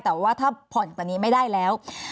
แต่ว่าถ้าผ่อนตอนนี้ไม่ได้แล้ว